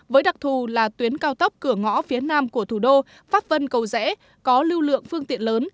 với đặc thù là tuyến cao tốc cửa ngõ phía nam của thủ đô pháp vân cầu rẽ có lưu lượng phương tiện lớn